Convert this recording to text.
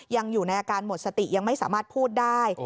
ยังอยู่ในอาการหมดสติยังไม่สามารถพูดได้